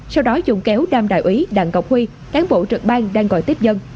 sau đó dùng kéo đàm đại úy đặng ngọc huy cán bộ trực bang đang gọi tiếp dân